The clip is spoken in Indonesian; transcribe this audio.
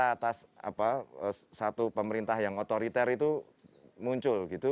kita atas satu pemerintah yang otoriter itu muncul